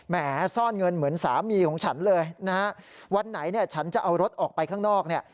แหมซ่อนเงินเหมือนสามีของฉันเลยนะฮะวันไหนเนี่ยฉันจะเอารถออกไปข้างนอกเนี่ย